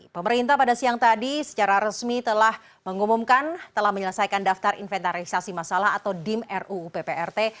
pemerintah pada siang tadi secara resmi telah mengumumkan telah menyelesaikan daftar inventarisasi masalah atau dim ruu pprt